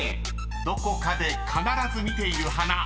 ［どこかで必ず見ている花］